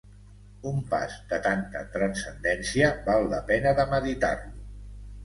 Un pas de tanta transcendència val la pena de meditar-lo.